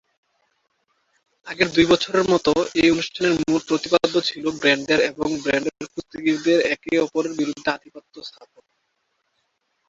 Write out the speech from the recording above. আগের দুই বছরের মতো, এই অনুষ্ঠানের মূল প্রতিপাদ্য ছিল ব্র্যান্ডের এবং ব্র্যান্ডের কুস্তিগীরদের একে অপরের বিরুদ্ধে আধিপত্য স্থাপন।